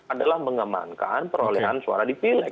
adalah mengembangkan perolehan suara di pilpres